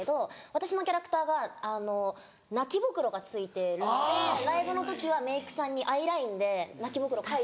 私のキャラクターが泣きぼくろがついてるのでライブの時はメイクさんにアイラインで泣きぼくろ。